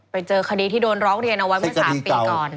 ไปเจอคดีที่โดนร้องเรียนเอาไว้เมื่อ๓ปีก่อน